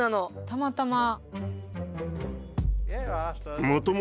たまたま。